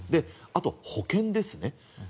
あとは保険ですね。